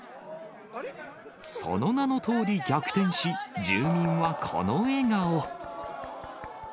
その名のとおり逆転し、住民はこの笑顔。